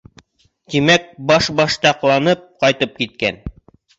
— Тимәк, башбаштаҡланып ҡайтып киткән.